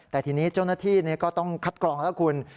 แต่ทีนี้เจ้าหน้าที่ก็ต้องคัดกรองแล้วคุณ